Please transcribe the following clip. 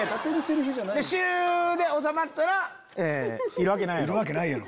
シュ！で収まったら「いるわけないやろ」。